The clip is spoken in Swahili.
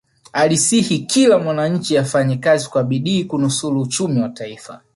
alisihi kila mwananchi afanye kazi kwa bidii kunusulu uchumi wa taifa